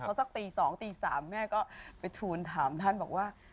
พอสักตี๒ตี๓แม่ก็ไปทูลถามท่านบอกว่า